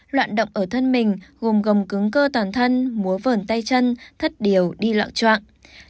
loạn động ở thân mình gồm gồng cứng cơ toàn thân múa vờn tay chân thất điều đi loạn trọng